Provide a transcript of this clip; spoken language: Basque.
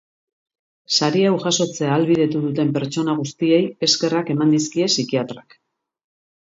Sari hau jasotzea ahalbidetu duten pertsona guztiei eskerrak eman dizkie psikiatrak.